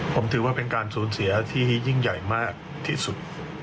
ผมถือว่าเป็นการสูญเสียที่ยิ่งใหญ่มากที่สุด